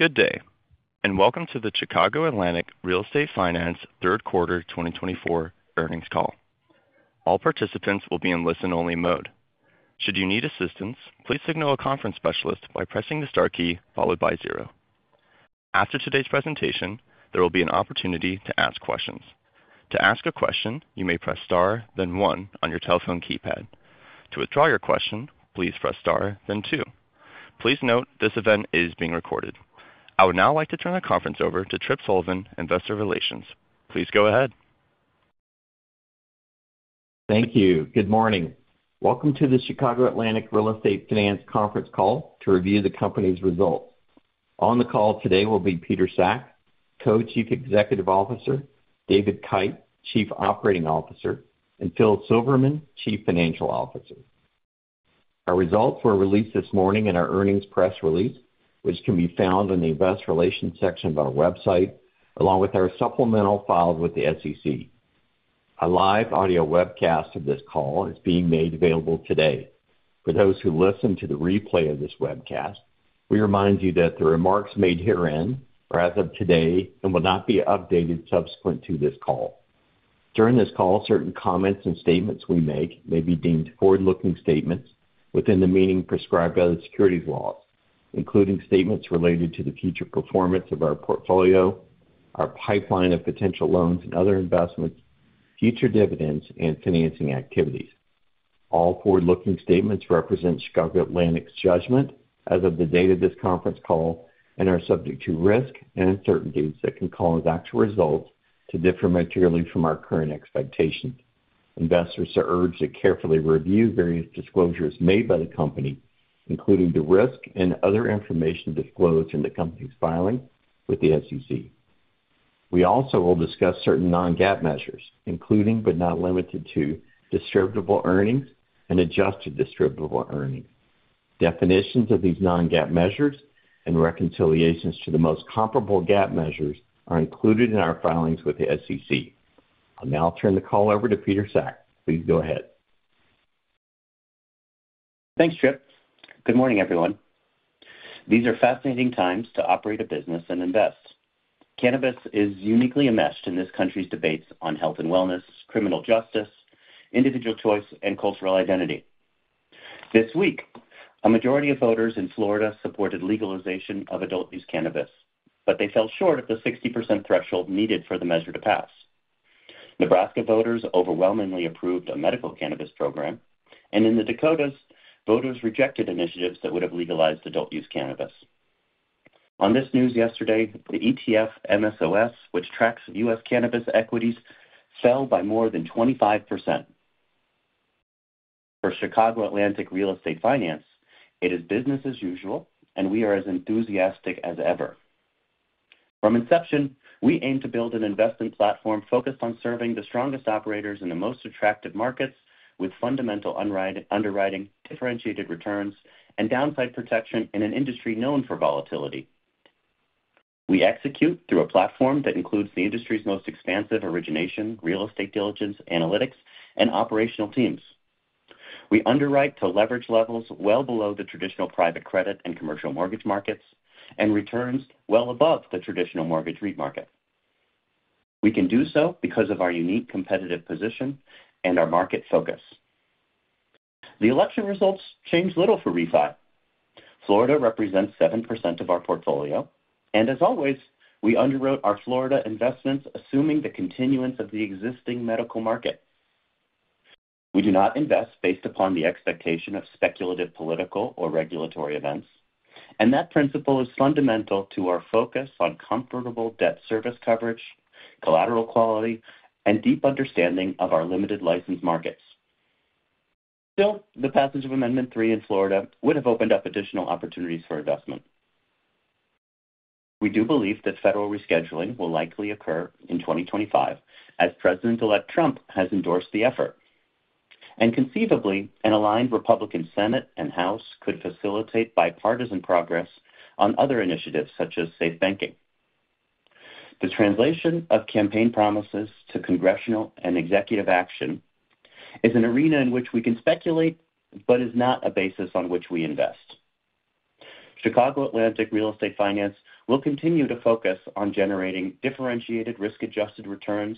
Good day, and welcome to the Chicago Atlantic Real Estate Finance Q3 2024 earnings call. All participants will be in listen-only mode. Should you need assistance, please signal a conference specialist by pressing the star key followed by zero. After today's presentation, there will be an opportunity to ask questions. To ask a question, you may press star, then one, on your telephone keypad. To withdraw your question, please press star, then two. Please note this event is being recorded. I would now like to turn the conference over to Tripp Sullivan, Investor Relations. Please go ahead. Thank you. Good morning. Welcome to the Chicago Atlantic Real Estate Finance conference call to review the company's results. On the call today will be Peter Sack, Co-Chief Executive Officer, David Kite, Chief Operating Officer, and Phil Silverman, Chief Financial Officer. Our results were released this morning in our earnings press release, which can be found in the Investor Relations section of our website, along with our supplemental filed with the SEC. A live audio webcast of this call is being made available today. For those who listen to the replay of this webcast, we remind you that the remarks made herein are as of today and will not be updated subsequent to this call. During this call, certain comments and statements we make may be deemed forward-looking statements within the meaning prescribed by the securities laws, including statements related to the future performance of our portfolio, our pipeline of potential loans and other investments, future dividends, and financing activities. All forward-looking statements represent Chicago Atlantic's judgment as of the date of this conference call and are subject to risk and uncertainties that can cause actual results to differ materially from our current expectations. Investors are urged to carefully review various disclosures made by the company, including the risk and other information disclosed in the company's filing with the SEC. We also will discuss certain non-GAAP measures, including but not limited to distributable earnings and adjusted distributable earnings. Definitions of these non-GAAP measures and reconciliations to the most comparable GAAP measures are included in our filings with the SEC. I'll now turn the call over to Peter Sack. Please go ahead. Thanks, Tripp. Good morning, everyone. These are fascinating times to operate a business and invest. Cannabis is uniquely enmeshed in this country's debates on health and wellness, criminal justice, individual choice, and cultural identity. This week, a majority of voters in Florida supported legalization of adult-use cannabis, but they fell short of the 60% threshold needed for the measure to pass. Nebraska voters overwhelmingly approved a medical cannabis program, and in the Dakotas, voters rejected initiatives that would have legalized adult-use cannabis. On this news yesterday, the ETF MSOS, which tracks U.S. cannabis equities, fell by more than 25%. For Chicago Atlantic Real Estate Finance, it is business as usual, and we are as enthusiastic as ever. From inception, we aim to build an investment platform focused on serving the strongest operators in the most attractive markets, with fundamental underwriting, differentiated returns, and downside protection in an industry known for volatility. We execute through a platform that includes the industry's most expansive origination, real estate diligence, analytics, and operational teams. We underwrite to leverage levels well below the traditional private credit and commercial mortgage markets and returns well above the traditional mortgage REIT market. We can do so because of our unique competitive position and our market focus. The election results change little for REFI. Florida represents 7% of our portfolio, and as always, we underwrote our Florida investments assuming the continuance of the existing medical market. We do not invest based upon the expectation of speculative political or regulatory events, and that principle is fundamental to our focus on comfortable debt service coverage, collateral quality, and deep understanding of our limited license markets. Still, the passage of Amendment 3 in Florida would have opened up additional opportunities for investment. We do believe that federal rescheduling will likely occur in 2025, as President-elect Trump has endorsed the effort, and conceivably, an aligned Republican Senate and House could facilitate bipartisan progress on other initiatives such as SAFE Banking. The translation of campaign promises to congressional and executive action is an arena in which we can speculate but is not a basis on which we invest. Chicago Atlantic Real Estate Finance will continue to focus on generating differentiated risk-adjusted returns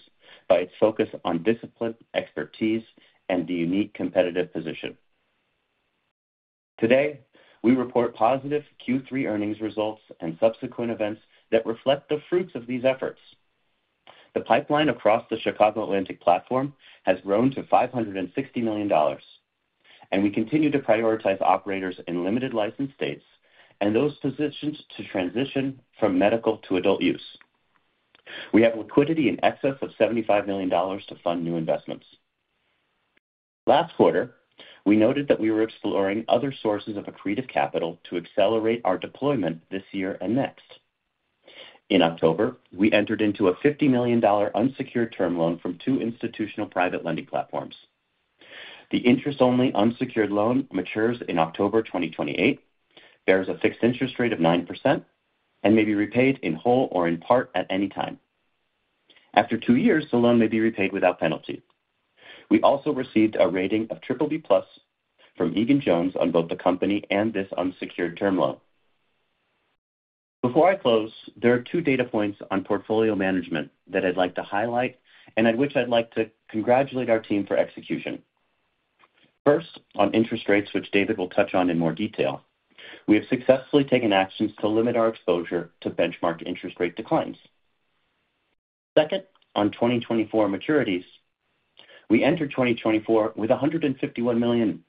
by its focus on discipline, expertise, and the unique competitive position. Today, we report positive Q3 earnings results and subsequent events that reflect the fruits of these efforts. The pipeline across the Chicago Atlantic platform has grown to $560 million, and we continue to prioritize operators in limited license states and those positioned to transition from medical to adult use. We have liquidity in excess of $75 million to fund new investments. Last quarter, we noted that we were exploring other sources of accretive capital to accelerate our deployment this year and next. In October, we entered into a $50 million unsecured term loan from two institutional private lending platforms. The interest-only unsecured loan matures in October 2028, bears a fixed interest rate of 9%, and may be repaid in whole or in part at any time. After two years, the loan may be repaid without penalty. We also received a rating of BBB+ from Egan-Jones on both the company and this unsecured term loan. Before I close, there are two data points on portfolio management that I'd like to highlight and at which I'd like to congratulate our team for execution. First, on interest rates, which David will touch on in more detail, we have successfully taken actions to limit our exposure to benchmark interest rate declines. Second, on 2024 maturities, we entered 2024 with $151 million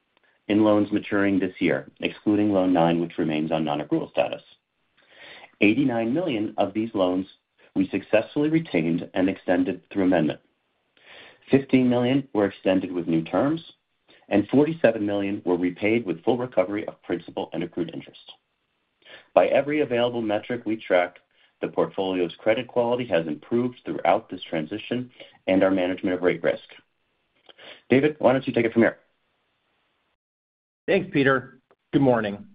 in loans maturing this year, excluding loan nine, which remains on non-accrual status. $89 million of these loans we successfully retained and extended through amendment. $15 million were extended with new terms, and $47 million were repaid with full recovery of principal and accrued interest. By every available metric we track, the portfolio's credit quality has improved throughout this transition and our management of rate risk. David, why don't you take it from here? Thanks, Peter. Good morning.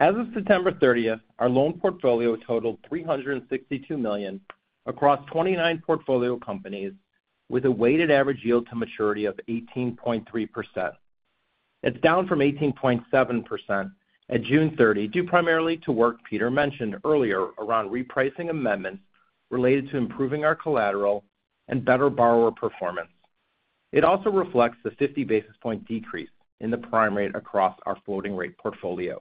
As of September 30th, our loan portfolio totaled $362 million across 29 portfolio companies, with a weighted average yield to maturity of 18.3%. It's down from 18.7% at June 30 due primarily to work Peter mentioned earlier around repricing amendments related to improving our collateral and better borrower performance. It also reflects the 50 basis point decrease in the Prime rate across our floating rate portfolio.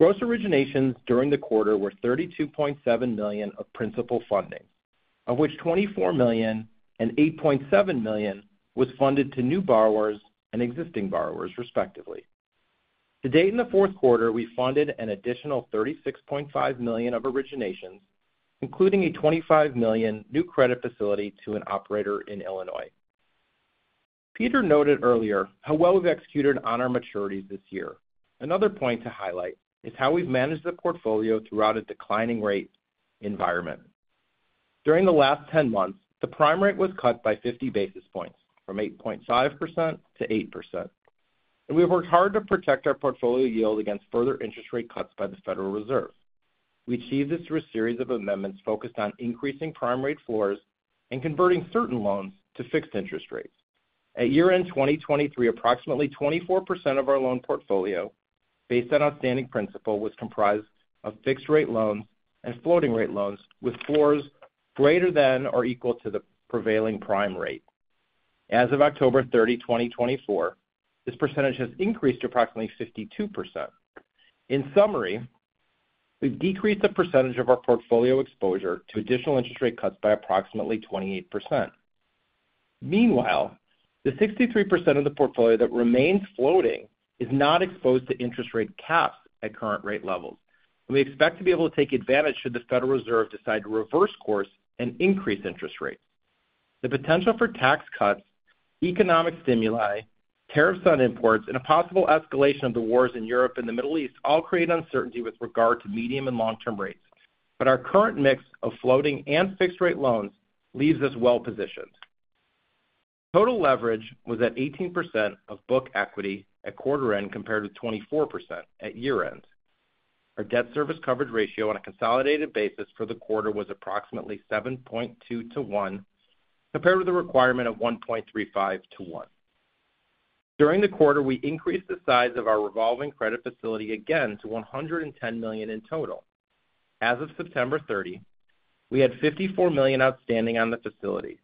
Gross originations during the quarter were $32.7 million of principal funding, of which $24 million and $8.7 million was funded to new borrowers and existing borrowers, respectively. To date, in the fourth quarter, we funded an additional $36.5 million of originations, including a $25 million new credit facility to an operator in Illinois. Peter noted earlier how well we've executed on our maturities this year. Another point to highlight is how we've managed the portfolio throughout a declining rate environment. During the last 10 months, the Prime rate was cut by 50 basis points from 8.5% to 8%, and we've worked hard to protect our portfolio yield against further interest rate cuts by the Federal Reserve. We achieved this through a series of amendments focused on increasing Prime rate floors and converting certain loans to fixed interest rates. At year-end 2023, approximately 24% of our loan portfolio, based on outstanding principal, was comprised of fixed-rate loans and floating-rate loans with floors greater than or equal to the prevailing Prime rate. As of October 30, 2024, this percentage has increased to approximately 52%. In summary, we've decreased the percentage of our portfolio exposure to additional interest rate cuts by approximately 28%. Meanwhile, the 63% of the portfolio that remains floating is not exposed to interest rate caps at current rate levels, and we expect to be able to take advantage should the Federal Reserve decide to reverse course and increase interest rates. The potential for tax cuts, economic stimuli, tariffs on imports, and a possible escalation of the wars in Europe and the Middle East all create uncertainty with regard to medium and long-term rates, but our current mix of floating and fixed-rate loans leaves us well-positioned. Total leverage was at 18% of book equity at quarter-end compared with 24% at year-end. Our debt service coverage ratio on a consolidated basis for the quarter was approximately 7.2-1, compared with a requirement of 1.35-1. During the quarter, we increased the size of our revolving credit facility again to $110 million in total. As of September 30, we had $54 million outstanding on the facility.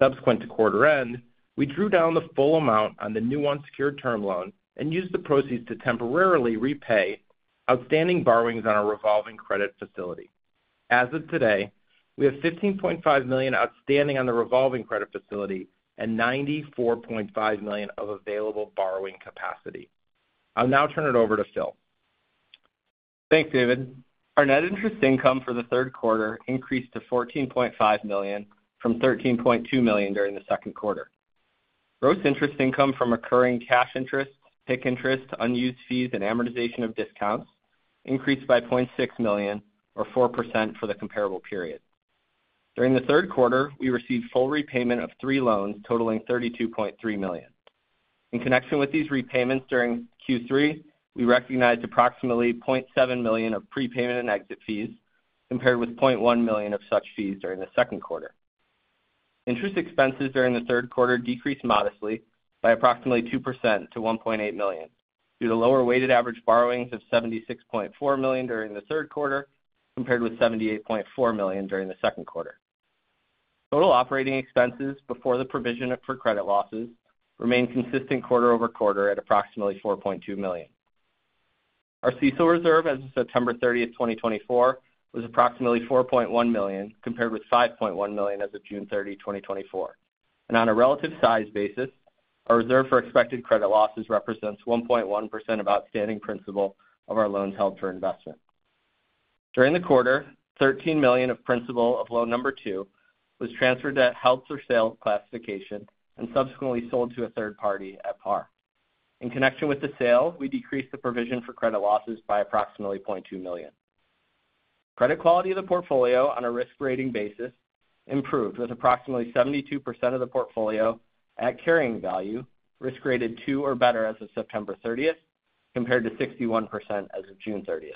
Subsequent to quarter-end, we drew down the full amount on the new unsecured term loan and used the proceeds to temporarily repay outstanding borrowings on our revolving credit facility. As of today, we have $15.5 million outstanding on the revolving credit facility and $94.5 million of available borrowing capacity. I'll now turn it over to Phil. Thanks, David. Our net interest income for the third quarter increased to $14.5 million from $13.2 million during the second quarter. Gross interest income from recurring cash interest, PIK interest, unused fees, and amortization of discounts increased by $0.6 million, or 4% for the comparable period. During the third quarter, we received full repayment of three loans totaling $32.3 million. In connection with these repayments during Q3, we recognized approximately $0.7 million of prepayment and exit fees, compared with $0.1 million of such fees during the second quarter. Interest expenses during the third quarter decreased modestly by approximately 2% to $1.8 million due to lower weighted average borrowings of $76.4 million during the third quarter, compared with $78.4 million during the second quarter. Total operating expenses before the provision for credit losses remained consistent quarter over quarter at approximately $4.2 million. Our CECL reserve as of September 30, 2024, was approximately $4.1 million, compared with $5.1 million as of June 30, 2024. On a relative size basis, our reserve for expected credit losses represents 1.1% of outstanding principal of our loans held for investment. During the quarter, $13 million of principal of loan number two was transferred to held for sale classification and subsequently sold to a third party at par. In connection with the sale, we decreased the provision for credit losses by approximately $0.2 million. Credit quality of the portfolio on a risk-rating basis improved with approximately 72% of the portfolio at carrying value, risk-rated two or better as of September 30th, compared to 61% as of June 30th.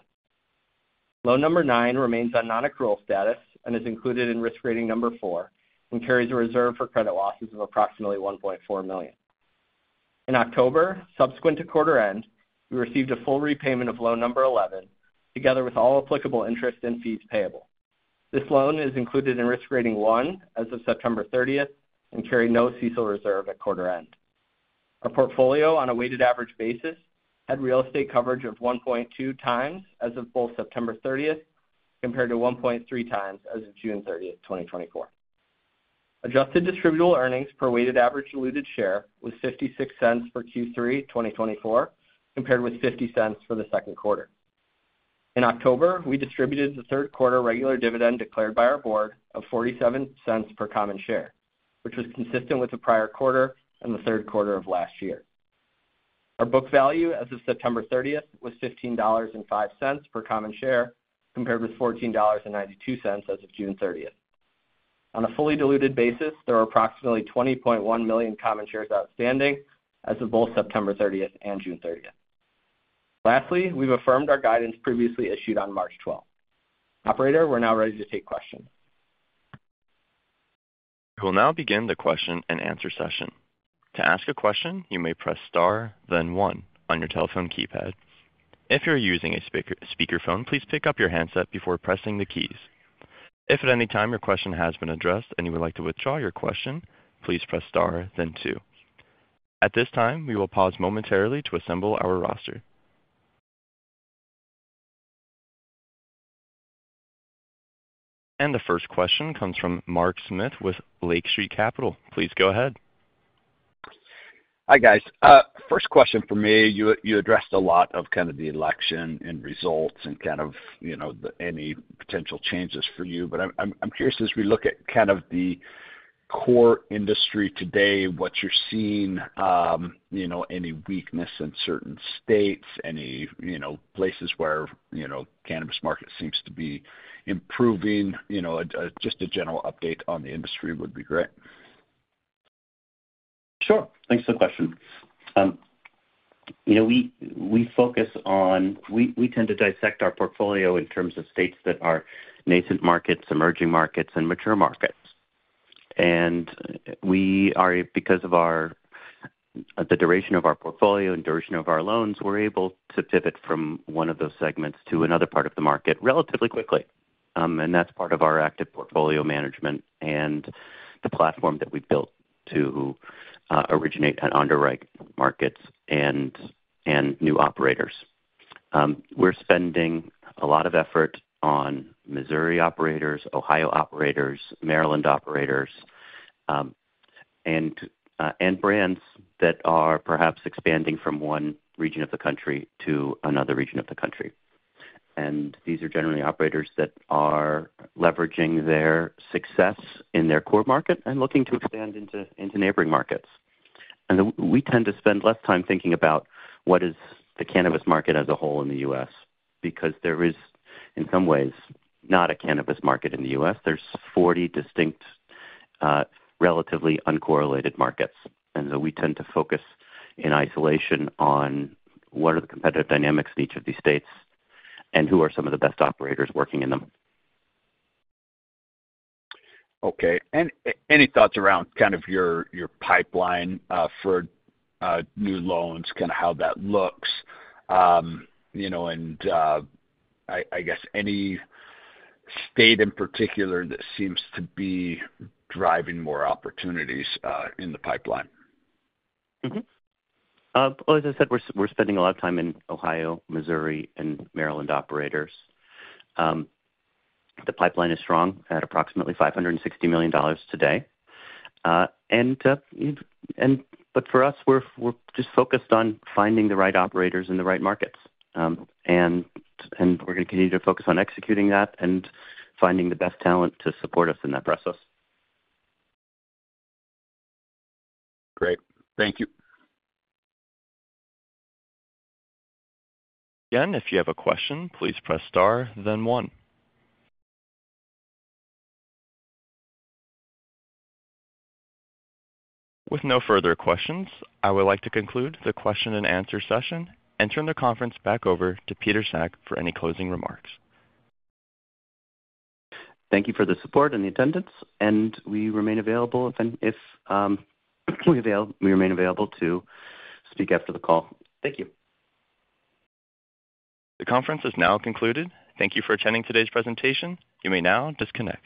Loan number nine remains on non-accrual status and is included in risk-rating number four and carries a reserve for credit losses of approximately $1.4 million. In October, subsequent to quarter-end, we received a full repayment of loan number 11, together with all applicable interest and fees payable. This loan is included in risk-rating one as of September 30th and carried no CECL reserve at quarter-end. Our portfolio, on a weighted average basis, had real estate coverage of 1.2x as of both September 30th, compared to 1.3x as of June 30, 2024. Adjusted distributable earnings per weighted average diluted share was $0.56 for Q3, 2024, compared with $0.50 for the second quarter. In October, we distributed the third quarter regular dividend declared by our board of $0.47 per common share, which was consistent with the prior quarter and the third quarter of last year. Our book value as of September 30th was $15.05 per common share, compared with $14.92 as of June 30th. On a fully diluted basis, there are approximately 20.1 million common shares outstanding as of both September 30th and June 30th. Lastly, we've affirmed our guidance previously issued on March 12th. Operator, we're now ready to take questions. We will now begin the question and answer session. To ask a question, you may press star, then one on your telephone keypad. If you're using a speakerphone, please pick up your handset before pressing the keys. If at any time your question has been addressed and you would like to withdraw your question, please press star, then two. At this time, we will pause momentarily to assemble our roster. The first question comes from Mark Smith with Lake Street Capital. Please go ahead. Hi, guys. First question for me, you addressed a lot of kind of the election and results and kind of any potential changes for you. But I'm curious, as we look at kind of the core industry today, what you're seeing, any weakness in certain states, any places where the cannabis market seems to be improving. Just a general update on the industry would be great. Sure. Thanks for the question. We focus on; we tend to dissect our portfolio in terms of states that are nascent markets, emerging markets, and mature markets, and because of the duration of our portfolio and duration of our loans, we're able to pivot from one of those segments to another part of the market relatively quickly, and that's part of our active portfolio management and the platform that we've built to originate and underwrite markets and new operators. We're spending a lot of effort on Missouri operators, Ohio operators, Maryland operators, and brands that are perhaps expanding from one region of the country to another region of the country, and these are generally operators that are leveraging their success in their core market and looking to expand into neighboring markets. And we tend to spend less time thinking about what is the cannabis market as a whole in the U.S. because there is, in some ways, not a cannabis market in the U.S. There's 40 distinct, relatively uncorrelated markets. And so we tend to focus in isolation on what are the competitive dynamics in each of these states and who are some of the best operators working in them. Okay. And any thoughts around kind of your pipeline for new loans, kind of how that looks? And I guess any state in particular that seems to be driving more opportunities in the pipeline? As I said, we're spending a lot of time in Ohio, Missouri, and Maryland operators. The pipeline is strong at approximately $560 million today. And, but for us, we're just focused on finding the right operators in the right markets. And we're going to continue to focus on executing that and finding the best talent to support us in that process. Great. Thank you. Again, if you have a question, please press star, then one. With no further questions, I would like to conclude the question-and-answer session and turn the conference back over to Peter Sack for any closing remarks. Thank you for the support and the attendance. We remain available to speak after the call. Thank you. The conference is now concluded. Thank you for attending today's presentation. You may now disconnect.